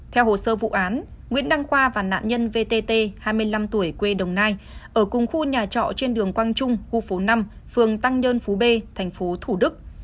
theo hồ sơ vụ án nguyễn đăng khoa và nạn nhân vtt hai mươi năm tuổi quê đồng nai ở cùng khu nhà trọ trên đường quang trung khu phố năm phường tăng nhân phú b tp thủ đức